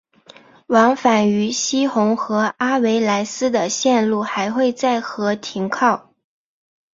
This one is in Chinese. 往返于希洪和阿维莱斯的线路还会在和停靠。